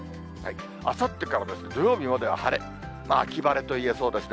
あさってから土曜日までは晴れ、秋晴れと言えそうですね。